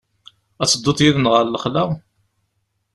Ad tedduḍ yid-neɣ ɣer lexla?